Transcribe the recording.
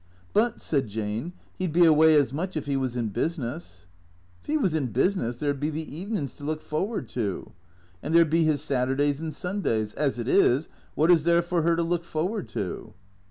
" But," said Jane, " he 'd be away as much if he was in business." " 'Ef 'E was in business there 'd be the evenin's to look for ward to. And there 'd be 'is Saturdays and Sundays. As it is, wot is there for her to look forward to